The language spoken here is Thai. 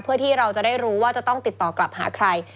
เพื่อที่เราจะได้รู้ว่าจะต้องติดต่อกลับหาใคร